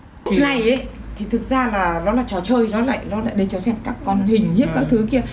lúc này thì thực ra nó là trò chơi nó lại để cho xem các con hình các thứ kia